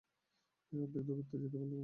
এর অর্ধেক দূরত্বে যেতে পারলেও কাজ হবে।